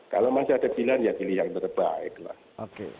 kalau masih ada pilihan ya pilih yang terbaik lah